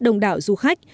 đông đảo du khách